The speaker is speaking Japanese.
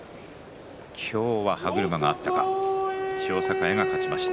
今日は歯車が合ったか千代栄が勝ちました。